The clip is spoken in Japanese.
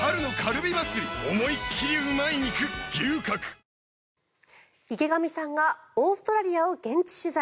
東京海上日動池上さんがオーストラリアを現地取材。